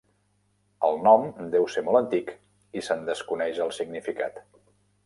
El nom deu ser molt antic i se'n desconeix el significat.